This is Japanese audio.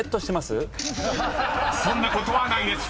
［そんなことはないです］